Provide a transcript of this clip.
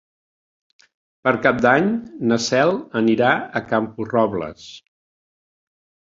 Per Cap d'Any na Cel anirà a Camporrobles.